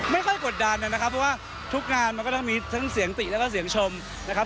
ไม่ค่อยกดดันนะครับเพราะว่าทุกงานมันก็จะมีทั้งเสียงติและเสียงชมนะครับ